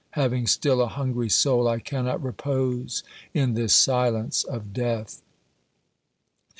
Having still a hungry soul, I cannot repose in this silence of death.